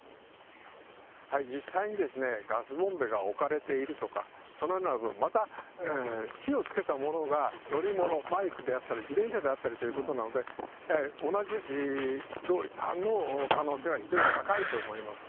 実際にですね、ガスボンベが置かれているとか、そのような部分、また火をつけたものが、乗り物であったり、バイクであったり、自転車であったりということなので、同じ同一犯の可能性が非常に高いと思います。